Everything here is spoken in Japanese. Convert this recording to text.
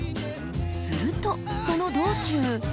［するとその道中］